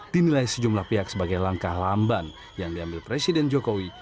dinilai sejumlah pihak sebagai langkah lamban yang diambil presiden jokowi